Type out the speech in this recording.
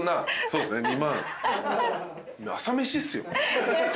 そうですね２万。